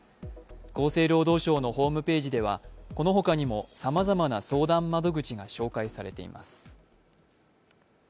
厚生労働省のホームページでは、この他にもさまざまな相談窓口が紹介されています。